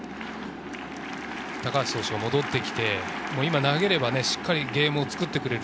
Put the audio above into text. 高橋選手が戻って来て投げればしっかりゲームを作ってくれる。